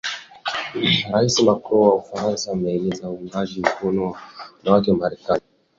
Rais Macron wa Ufaransa ameeleza uungaji mkono wake na wanawake wa Marekani